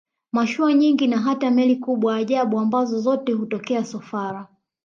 Mashua nyingi na hata meli kubwa ajabu ambazo zote hutoka Sofala